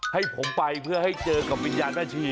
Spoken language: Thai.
ให้ผมไปเพื่อให้เจอกับวิญญาณแม่ชี